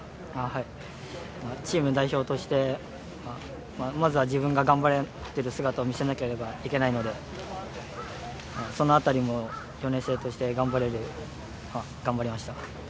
チームの代表として、まずは自分が頑張っている姿を見せなければいけないので、そのあたりも４年生として頑張りました。